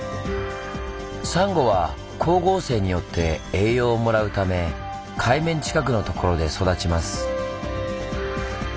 サンゴは光合成によって栄養をもらうため海面近くのところで育ちます。